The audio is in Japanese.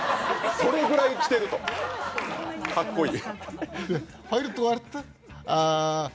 それぐらい着てると、かっこいい。